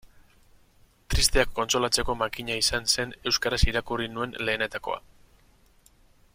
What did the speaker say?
Tristeak kontsolatzeko makina izan zen euskaraz irakurri nuen lehenetakoa.